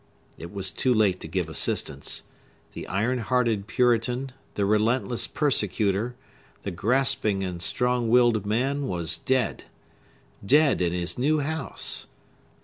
It was too late to give assistance. The iron hearted Puritan, the relentless persecutor, the grasping and strong willed man was dead! Dead, in his new house!